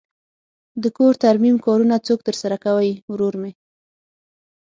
د کور ترمیم کارونه څوک ترسره کوی؟ ورور می